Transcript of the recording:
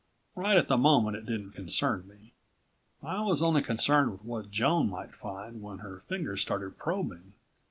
Right at the moment it didn't concern me. I was only concerned with what Joan might find when her fingers started probing.